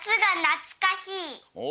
お！